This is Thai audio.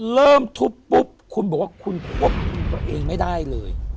เริ่มทุบปุ๊บคุณบอกว่าคุณควบคุมตัวเองไม่ได้เลย